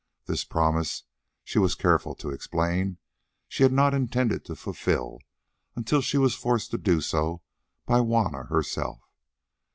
This promise, she was careful to explain, she had not intended to fulfil until she was forced to do so by Juanna herself.